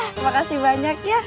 terima kasih banyak ya